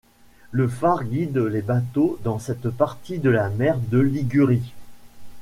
Le phare guide les bateaux dans cette partie de la mer de Ligurie.